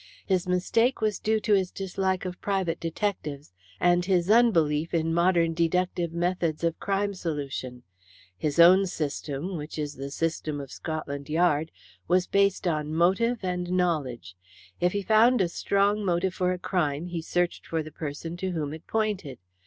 His mistake was due to his dislike of private detectives and his unbelief in modern deductive methods of crime solution. His own system, which is the system of Scotland Yard, was based on motive and knowledge. If he found a strong motive for a crime he searched for the person to whom it pointed.